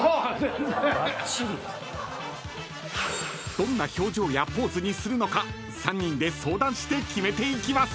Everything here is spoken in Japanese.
［どんな表情やポーズにするのか３人で相談して決めていきます］